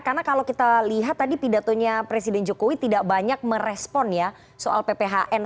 karena kalau kita lihat tadi pidatonya presiden jokowi tidak banyak merespon ya soal pphn